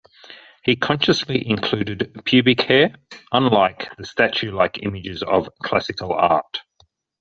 He consciously included pubic hair, unlike the statue-like images of classical art.